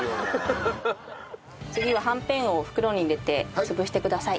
次ははんぺんを袋に入れて潰してください。